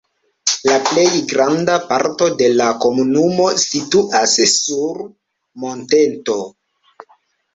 La plej granda parto de la komunumo situas sur monteto.